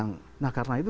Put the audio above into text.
nah karena itu